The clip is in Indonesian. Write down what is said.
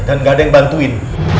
gak ada yang bantuin